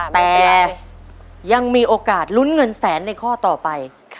แต่ยังมีโอกาสลุ้นเงินแสนในข้อต่อไป